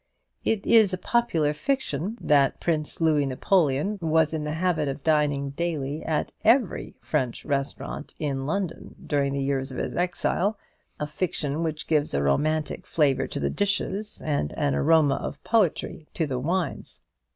'" It is a popular fiction that the Prince Louis Napoleon was in the habit of dining daily at every French restaurant in London during the years of his exile; a fiction which gives a romantic flavour to the dishes, and an aroma of poetry to the wines.